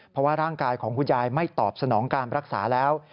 เพราะว่าร่างกายของคุณยายไม่ตอบสนองการรักษาแล้ว